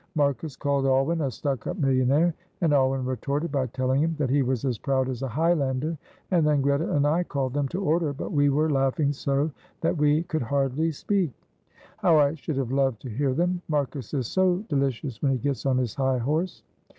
Marcus called Alwyn a stuck up millionaire, and Alwyn retorted by telling him that he was as proud as a Highlander, and then Greta and I called them to order, but we were laughing so that we could hardly speak." "How I should have loved to hear them. Marcus is so delicious when he gets on his high horse."